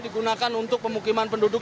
digunakan untuk pemukiman penduduk